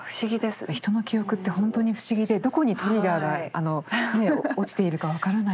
人の記憶って本当に不思議でどこにトリガーがあのねえ落ちているか分からないというか。